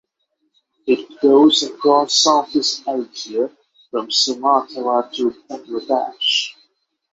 It grows across Southeast Asia from Sumatera to Bangladesh.